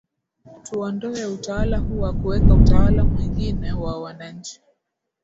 tuondowe utawala huu na kuweka utawala mwenyine wa wananchi